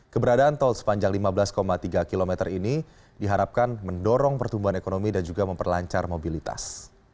keberadaan tol sepanjang lima belas tiga km ini diharapkan mendorong pertumbuhan ekonomi dan juga memperlancar mobilitas